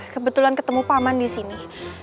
kebetulan ketemu pak man di sini